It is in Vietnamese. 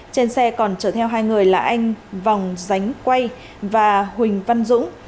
trên xe còn chở theo hai người là anh vòng ránh quay và huỳnh văn dũng